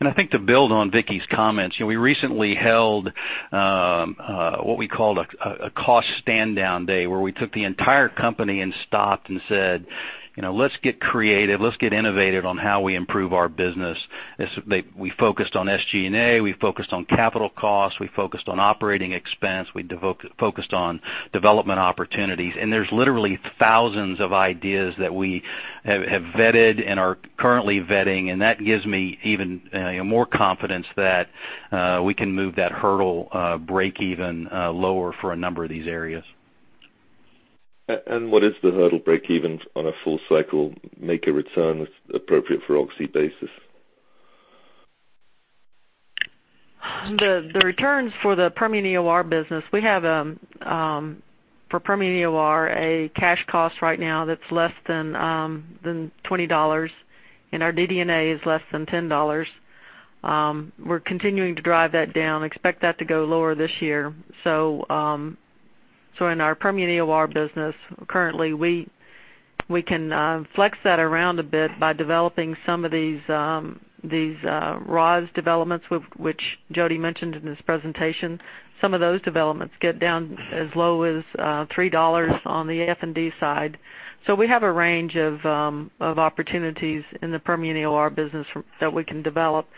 I think to build on Vicki's comments, we recently held what we called a cost stand down day, where we took the entire company and stopped and said, "Let's get creative. Let's get innovative on how we improve our business." We focused on SG&A, we focused on capital costs, we focused on operating expense, we focused on development opportunities. There's literally thousands of ideas that we have vetted and are currently vetting, and that gives me even more confidence that we can move that hurdle break even lower for a number of these areas. What is the hurdle break-evens on a full cycle, make a return appropriate for Oxy basis? The returns for the Permian EOR business, we have, for Permian EOR, a cash cost right now that's less than $20, and our DD&A is less than $10. We're continuing to drive that down, expect that to go lower this year. In our Permian EOR business, currently, we can flex that around a bit by developing some of these ROZ developments, which Jody mentioned in his presentation. Some of those developments get down as low as $3 on the F&D side. We have a range of opportunities in the Permian EOR business that we can develop.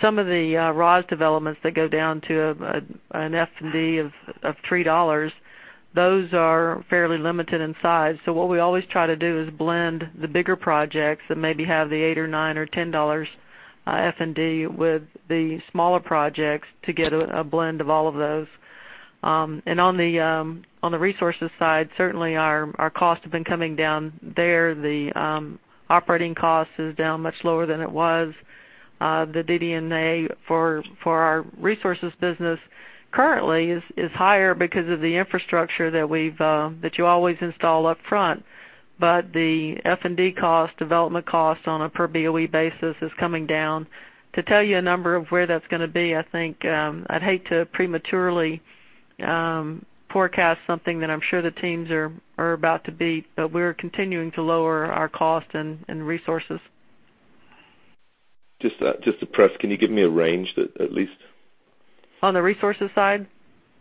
Some of the ROZ developments that go down to an F&D of $3, those are fairly limited in size. What we always try to do is blend the bigger projects that maybe have the $8 or $9 or $10 F&D with the smaller projects to get a blend of all of those. On the resources side, certainly our costs have been coming down there. The operating cost is down much lower than it was. The DD&A for our resources business currently is higher because of the infrastructure that you always install up front. The F&D cost, development cost on a per BOE basis is coming down. To tell you a number of where that's going to be, I'd hate to prematurely forecast something that I'm sure the teams are about to beat. We're continuing to lower our cost and resources. Just to press, can you give me a range that at least? On the resources side?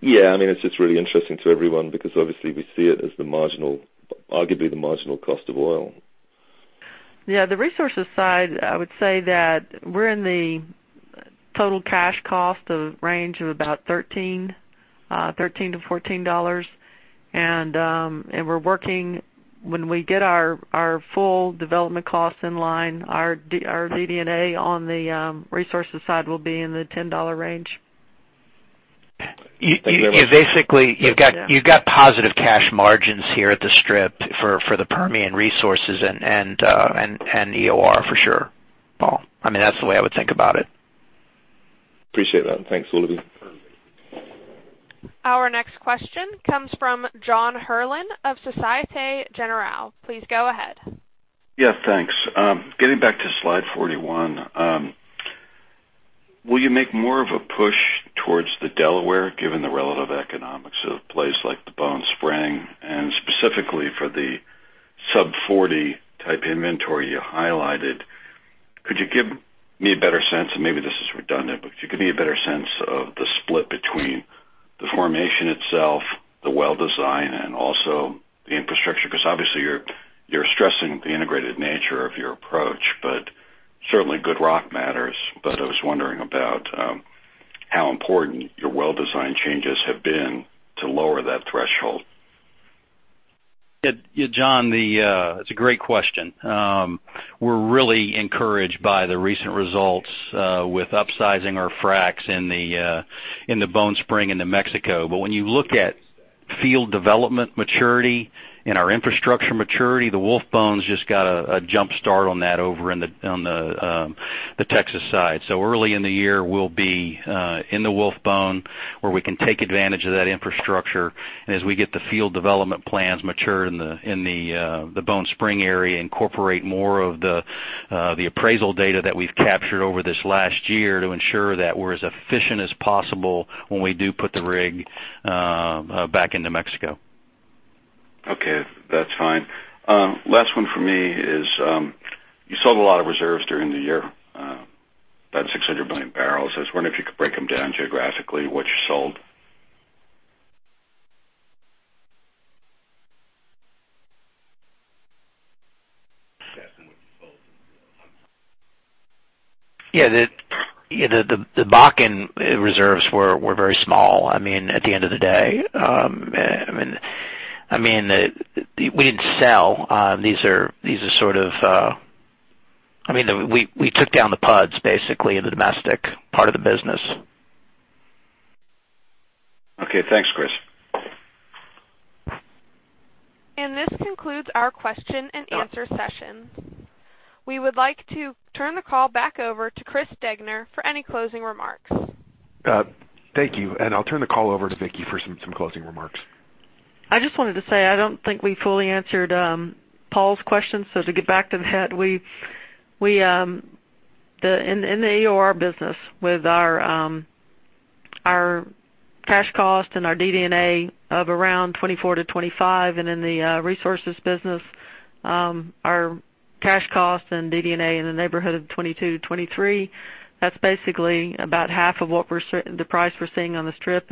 Yeah. It's just really interesting to everyone because obviously we see it as arguably the marginal cost of oil. Yeah. The resources side, I would say that we're in the total cash cost of range of about $13-$14. We're working, when we get our full development costs in line, our DD&A on the resources side will be in the $10 range. Thank you very much. You've got positive cash margins here at the strip for the Permian Resources and EOR for sure, Paul. That's the way I would think about it. Appreciate that. Thanks a lot of you. Our next question comes from John Herrlin of Societe Generale. Please go ahead. Yeah, thanks. Getting back to slide 41. Will you make more of a push towards the Delaware given the relative economics of places like the Bone Spring? Specifically for the sub 40 type inventory you highlighted, could you give me a better sense, and maybe this is redundant, but could you give me a better sense of the split between the formation itself, the well design, and also the infrastructure? Obviously you're stressing the integrated nature of your approach, but certainly good rock matters. I was wondering about how important your well design changes have been to lower that threshold. John, it's a great question. We're really encouraged by the recent results with upsizing our fracs in the Bone Spring into Mexico. When you look at field development maturity and our infrastructure maturity. The Wolfbone's just got a jump start on that over on the Texas side. Early in the year, we'll be in the Wolfbone where we can take advantage of that infrastructure, and as we get the field development plans mature in the Bone Spring area, incorporate more of the appraisal data that we've captured over this last year to ensure that we're as efficient as possible when we do put the rig back into Mexico. Okay, that's fine. Last one from me is, you sold a lot of reserves during the year, about 600 million barrels. I was wondering if you could break them down geographically, what you sold. The Bakken reserves were very small at the end of the day. We didn't sell. We took down the PUDs, basically, in the domestic part of the business. Okay. Thanks, Chris. This concludes our question and answer session. We would like to turn the call back over to Chris Degner for any closing remarks. Thank you. I'll turn the call over to Vicki for some closing remarks. I just wanted to say, I don't think we fully answered Paul's question, so to get back to that. In the EOR business with our cash cost and our DD&A of around $24-$25, and in the resources business, our cash cost and DD&A in the neighborhood of $22-$23. That's basically about half of the price we're seeing on the strip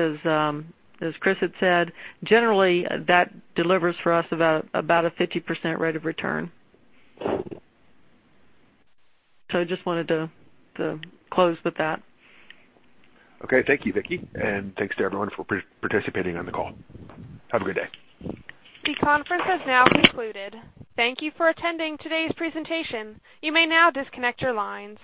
as Chris had said. Generally, that delivers for us about a 50% rate of return. I just wanted to close with that. Okay. Thank you, Vicki. Thanks to everyone for participating on the call. Have a good day. The conference has now concluded. Thank you for attending today's presentation. You may now disconnect your lines.